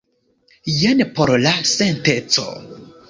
Jen por la senteco.